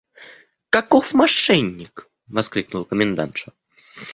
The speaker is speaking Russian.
– Каков мошенник! – воскликнула комендантша.